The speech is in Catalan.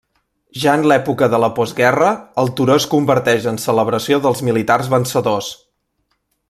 Ja en l'època de la postguerra el turó es converteix en celebració dels militars vencedors.